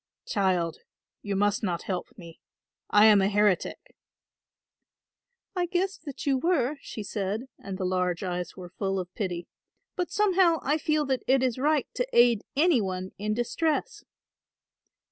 "Child, you must not help me. I am a heretic." "I guessed that you were," she said, and the large eyes were full of pity, "but somehow I feel that it is right to aid any one in distress."